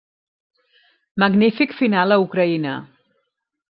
Magnífic final a Ucraïna.